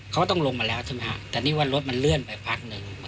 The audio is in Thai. เขาก็ต้องลงมาแล้วใช่ไหมฮะแต่นี่ว่ารถมันเลื่อนไปพักหนึ่ง